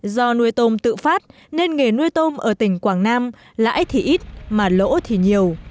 do nuôi tôm tự phát nên nghề nuôi tôm ở tỉnh quảng nam lãi thì ít mà lỗ thì nhiều